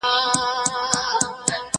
زه اوس سبزیحات وخورم!؟